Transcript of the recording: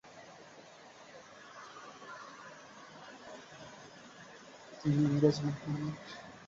তিনি ইংরেজ band One Night অনলি-এর প্রধান কন্ঠশিল্পী।